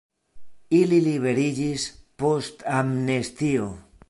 Ili liberiĝis post amnestio.